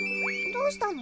どうしたの？